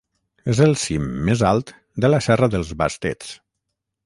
És el cim més alt de la Serra dels Bastets.